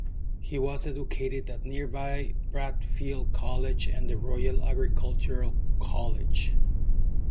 He was educated at nearby Bradfield College and the Royal Agricultural College.